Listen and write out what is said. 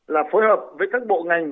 là phối hợp với các bộ ngành